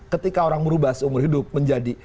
ketika orang merubah seumur hidup menjadi